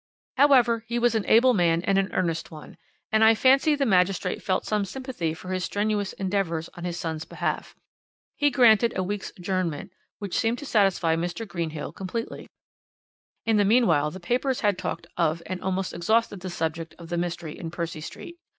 "However, he was an able man and an earnest one, and I fancy the magistrate felt some sympathy for his strenuous endeavours on his son's behalf. He granted a week's adjournment, which seemed to satisfy Mr. Greenhill completely. "In the meanwhile the papers had talked of and almost exhausted the subject of the mystery in Percy Street.